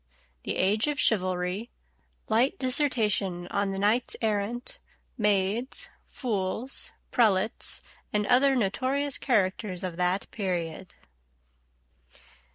THE AGE OF CHIVALRY: LIGHT DISSERTATION ON THE KNIGHTS ERRANT, MAIDS, FOOLS, PRELATES, AND OTHER NOTORIOUS CHARACTERS OF THAT PERIOD.